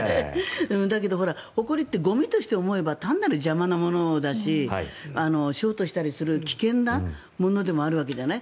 だけど、ほこりってゴミとして思えば単なる邪魔なものだしショートしたりする危険なものでもあるわけじゃない。